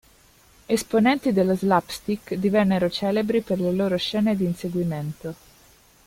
Esponenti dello "slapstick", divennero celebri per le loro scene di inseguimento.